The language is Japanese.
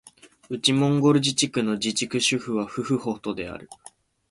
内モンゴル自治区の自治区首府はフフホトである